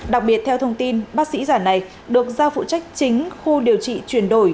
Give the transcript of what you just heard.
đặc biệt theo thông tin bác sĩ giả này được giao phụ trách chính khu điều trị chuyển đổi